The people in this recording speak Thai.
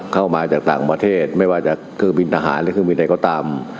เข้ามาจากต่างประเทศไม่ว่าจะเครื่องบินทหารหรือเครื่องบินใดก็ตาม